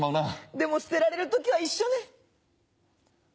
でも捨てられる時は一緒ね。